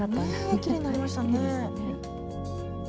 ねえきれいになりましたね。